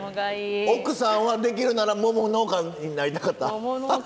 奥さんはできるなら桃農家になりたかった？